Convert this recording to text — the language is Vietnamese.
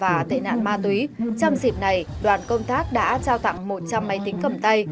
và tệ nạn ma túy trong dịp này đoàn công tác đã trao tặng một trăm linh máy tính cầm tay